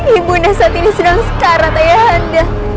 ibu nda saat ini sedang sekarat ayah anda